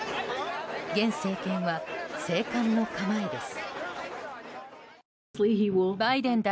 現政権は静観の構えです。